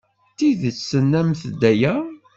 D tidet tennamt-d aya?